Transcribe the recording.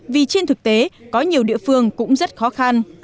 vì trên thực tế có nhiều địa phương cũng rất khó khăn